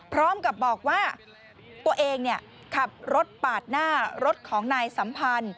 พร้อมกับบอกว่าตัวเองขับรถปาดหน้ารถของนายสัมพันธ์